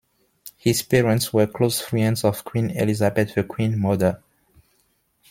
His parents were close friends of Queen Elizabeth The Queen Mother.